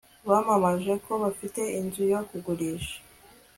bamamaje ko bafite inzu yo kugurisha